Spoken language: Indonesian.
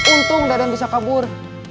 untung deden bisa kabur